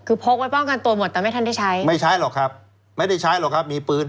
คือพกไว้ป้องกันตัวหมดแต่ไม่ทันได้ใช้ไม่ใช้หรอกครับไม่ได้ใช้หรอกครับมีปืน